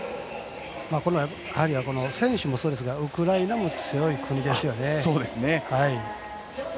選手もそうですがウクライナも強い国ですよね。